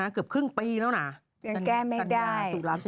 เกือบครึ่งปีแล้วนะ